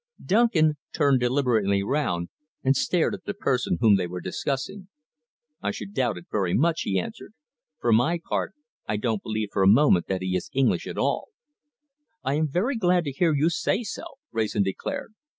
Duncan turned deliberately round and stared at the person whom they were discussing. "I should doubt it very much," he answered. "For my part, I don't believe for a moment that he is an Englishman at all." "I am very glad to hear you say so," Wrayson declared.